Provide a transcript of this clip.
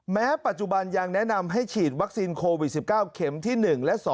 แม้ปัจจุบันยังแนะนำให้ฉีดวัคซีนโควิด๑๙เข็มที่๑และ๒